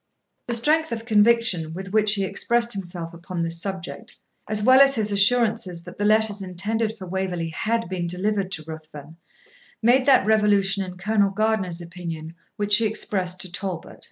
The strength of conviction with which he expressed himself upon this subject, as well as his assurances that the letters intended for Waverley had been delivered to Ruthven, made that revolution in Colonel Gardiner's opinion which he expressed to Talbot.